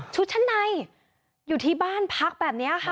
ชั้นในอยู่ที่บ้านพักแบบนี้ค่ะ